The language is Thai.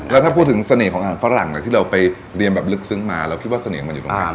แล้วถ้าพูดถึงเสน่ห์ของอาหารฝรั่งที่เราไปเรียนแบบลึกซึ้งมาเราคิดว่าเสน่ห์มันอยู่ตรงนั้น